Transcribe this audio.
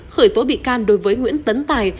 khởi tố bị can đối với nguyễn tấn tài